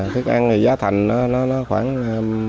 thức ăn thì giá thành nó khoảng